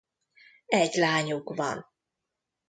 Egy lányuk van.